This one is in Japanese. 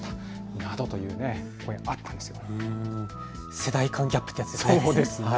世代間ギャップってやつですね。